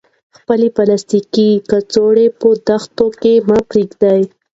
خپلې پلاستیکي کڅوړې په دښتو کې مه پریږدئ.